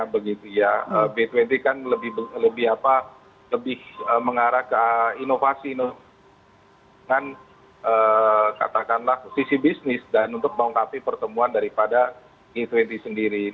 b dua puluh kan lebih mengarah ke inovasi dengan katakanlah sisi bisnis dan untuk melengkapi pertemuan daripada g dua puluh sendiri